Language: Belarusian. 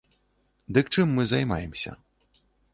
Дык чым мы займаемся?